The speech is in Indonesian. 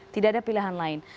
tidak ada pilihan lain